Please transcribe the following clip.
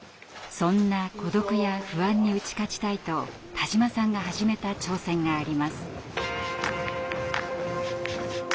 そんな孤独や不安に打ち勝ちたいと田島さんが始めた挑戦があります。